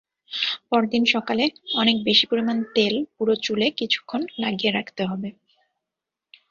পরদিন সকালে অনেক বেশি পরিমাণ তেল পুরো চুলে কিছুক্ষণ লাগিয়ে রাখতে হবে।